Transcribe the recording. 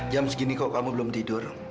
jam segini kok kamu belum tidur